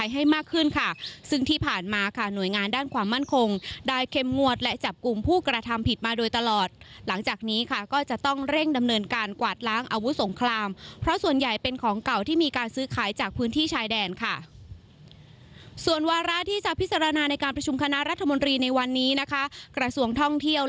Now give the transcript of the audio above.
ให้มากขึ้นค่ะซึ่งที่ผ่านมาค่ะหน่วยงานด้านความมั่นคงได้เข้มงวดและจับกลุ่มผู้กระทำผิดมาโดยตลอดหลังจากนี้ค่ะก็จะต้องเร่งดำเนินการกวาดล้างอาวุธสงครามเพราะส่วนใหญ่เป็นของเก่าที่มีการซื้อขายจากพื้นที่ชายแดนค่ะส่วนวาระที่จะพิจารณาในการประชุมคณะรัฐมนตรีในวันนี้นะคะกระทรวงท่องเที่ยว